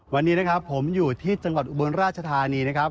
วันนี้ผมอยู่ที่จังหวัดอุบลราชธานี